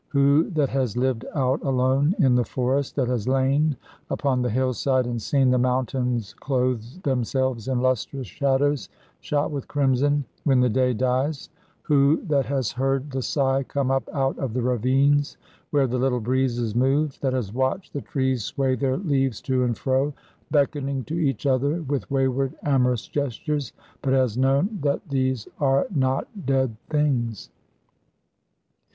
Who that has lived out alone in the forest, that has lain upon the hillside and seen the mountains clothe themselves in lustrous shadows shot with crimson when the day dies, who that has heard the sigh come up out of the ravines where the little breezes move, that has watched the trees sway their leaves to and fro, beckoning to each other with wayward amorous gestures, but has known that these are not dead things?